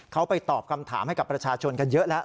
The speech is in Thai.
เขาไปตอบคำถามให้กับประชาชนกันเยอะแล้ว